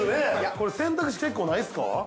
◆これ選択肢、結構ないですか。